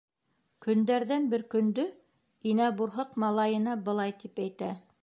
Көндәрҙән-бер көндө Инә Бурһыҡ малайына былай тип әйтә: